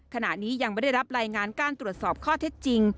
ขณะนี้ยังไม่ได้รับรายงานการตรวจสอบข้อเท็จจริง